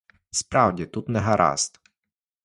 Справді — тут негаразд.